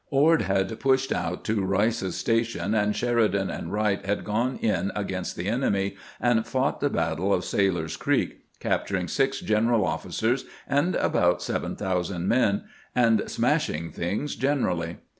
Ord had pushed out to Eice's Station, and Sheridan and Wright had gone in against the enemy and fought the battle of Sailor's Creek, capturing 6 general officers and about 7000 men, and " smashing things " generally.